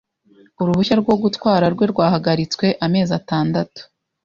uruhushya rwo gutwara rwe rwahagaritswe amezi atandatu.